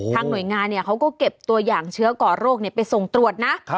หน่วยงานเขาก็เก็บตัวอย่างเชื้อก่อโรคไปส่งตรวจนะ